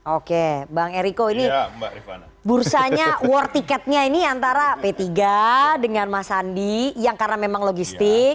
oke bang eriko ini bursanya war ticketnya ini antara p tiga dengan mas sandi yang karena memang logistik